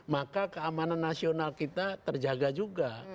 maka keamanan nasional kita terjaga juga